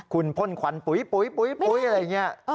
คุณพ่นควันปุ๋ยอะไรอย่างนี้